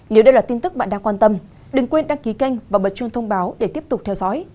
nếu đây là tin tức bạn đang quan tâm đừng quên đăng ký kênh và bật chuông thông báo để tiếp tục theo dõi